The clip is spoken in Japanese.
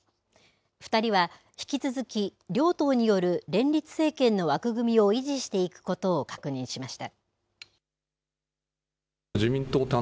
２人は、引き続き両党による連立政権の枠組みを維持していくことを確認しました。